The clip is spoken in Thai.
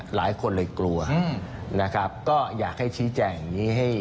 หลายคนเลยกลัวนะครับก็อยากให้ชี้แจงอย่างนี้ให้